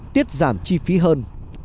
tiết giảm chi phí hơn